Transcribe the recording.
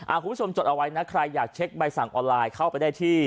คุณผู้ชมจดเอาไว้นะใครอยากเช็คใบสั่งออนไลน์เข้าไปได้ที่